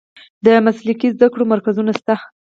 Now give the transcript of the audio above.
د مسلکي زده کړو مرکزونه شته؟